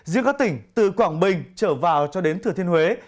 riêng các tỉnh từ quảng bình trở vào cho đến thừa thiên huế